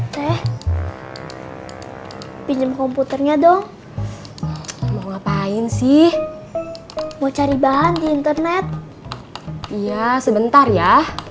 teh pinjam komputernya dong mau ngapain sih mau cari bahan di internet iya sebentar ya